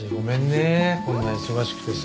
こんな忙しくてさ。